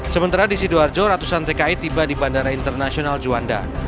sementara di sidoarjo ratusan tki tiba di bandara internasional juanda